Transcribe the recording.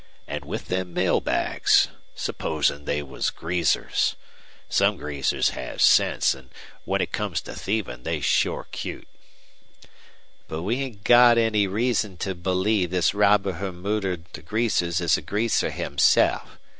An' with them mail bags! Supposin' they was greasers? Some greasers has sense, an' when it comes to thievin' they're shore cute." "But we sent got any reason to believe this robber who murdered the greasers is a greaser himself.